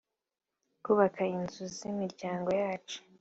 Kubaka inzu z’imiryango yacu